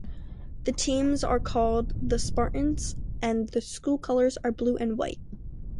The teams are called the Spartans, and the school colors are blue and white.